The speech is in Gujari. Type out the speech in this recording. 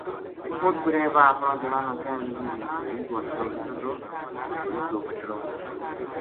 اُس بِڑے واہ اپنا جنا نا کہن لگی جی گھوڑی کو انٹڑو نہیہ ہوتو گھوڑی کو بَچڑو ہوے